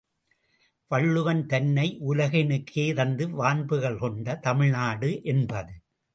வள்ளுவன் தன்னை உலகினுக்கே தந்து வான்புகழ் கொண்ட தமிழ் நாடு என்பது.